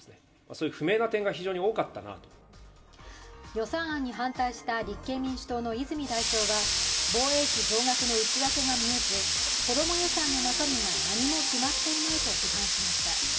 予算案に反対した立憲民主党の泉代表は防衛費増額の内訳が見えず、子ども予算の中身が何も決まっていないと批判しました。